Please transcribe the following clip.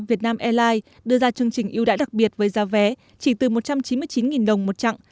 việt nam airlines đưa ra chương trình ưu đãi đặc biệt với giá vé chỉ từ một trăm chín mươi chín đồng một chặng